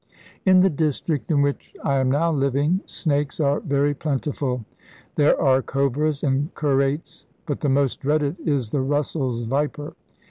In the district in which I am now living snakes are very plentiful. There are cobras and keraits, but the most dreaded is the Russell's viper.